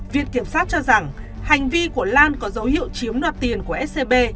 viện kiểm sát cho rằng hành vi của lan có dấu hiệu chiếm đoạt tiền của scb